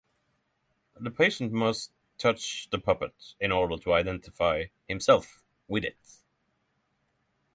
The patient must touch the puppet in order to identify himself with it.